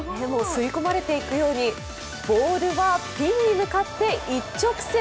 吸い込まれていくように、ボールはピンに向かって一直線。